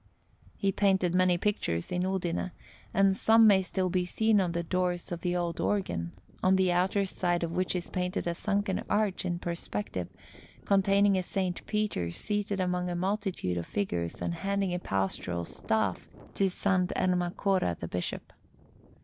He painted many pictures in Udine, and some may still be seen on the doors of the old organ, on the outer side of which is painted a sunken arch in perspective, containing a S. Peter seated among a multitude of figures and handing a pastoral staff to S. Ermacora the Bishop.